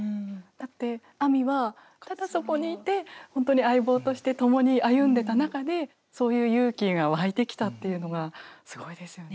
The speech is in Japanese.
だってあみはただそこにいて本当に相棒として共に歩んでた中でそういう勇気が湧いてきたっていうのがすごいですよね。